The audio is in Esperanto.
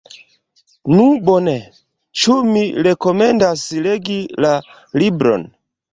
Nu bone, ĉu mi rekomendas legi la libron?